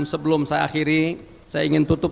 sebelum saya akhiri saya ingin tutup